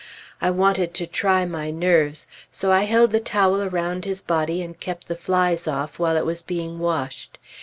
I wanted to try my nerves; so I held the towel around his body and kept the flies off while it was being washed.